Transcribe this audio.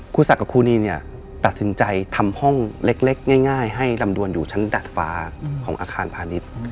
ศักดิ์กับครูนีเนี่ยตัดสินใจทำห้องเล็กง่ายให้ลำดวนอยู่ชั้นดัดฟ้าของอาคารพาณิชย์